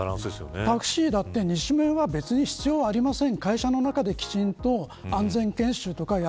タクシーだって二種免は別に必要ありません。